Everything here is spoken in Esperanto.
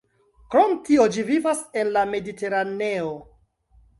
Krom tio ĝi vivas en la Mediteraneo.